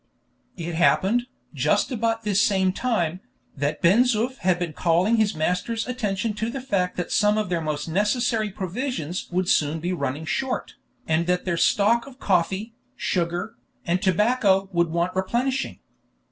It happened, just about this same time, that Ben Zoof had been calling his master's attention to the fact that some of their most necessary provisions would soon be running short, and that their stock of coffee, sugar, and tobacco would want replenishing.